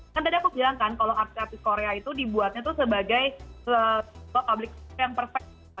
kan tadi aku bilang kan kalau artis artis korea itu dibuatnya tuh sebagai public yang perfect